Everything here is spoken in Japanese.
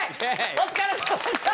お疲れさまでした！